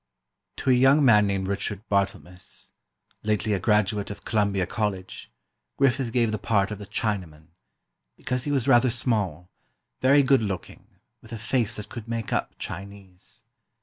To a young man named Richard Barthelmess, lately a graduate of Columbia College, Griffith gave the part of the "Chinaman," because he was rather small, very good looking, with a face that could make up "Chinese."